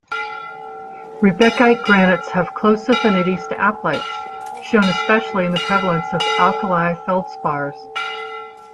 Riebeckite-granites have close affinities to aplites, shown especially in the prevalence of alkali feldspars.